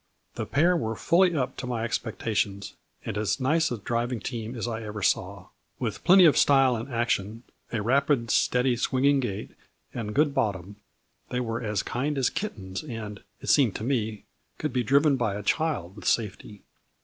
The pair were fully up to my expectations, and as nice a driv ing team as I ever saw. With plenty of style and action, a rapid, steady, swinging gait and 174 A FLURRY IN DIAMONDS. good bottom, they were as kind as kittens, and, it seemed to me, could be driven by a child with safety.